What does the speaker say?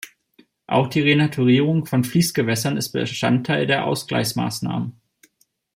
Auch die Renaturierung von Fließgewässern ist Bestandteil der Ausgleichsmaßnahmen.